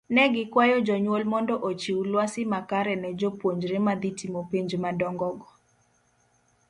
Negikwayo jonyuol mondo ochiw lwasi makare ne jo puonjre madhii timo penj madongo go.